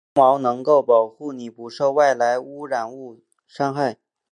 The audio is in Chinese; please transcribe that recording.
而鼻毛能够保护你不受外来污染物伤害。